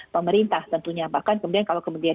pemerintah tentunya bahkan kemudian